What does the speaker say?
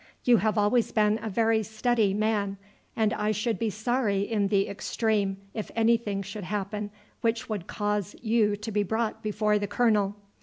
You have always been a very steady man, and I should be sorry in the extreme if any thing should happen which would cause you to be brought before the colonel.